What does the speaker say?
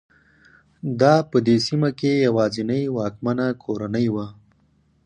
دا په دې سیمه کې یوازینۍ واکمنه کورنۍ وه.